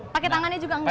pake tangannya juga enggak